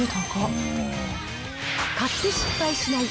買って失敗しない！